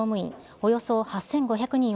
およそ８５００人を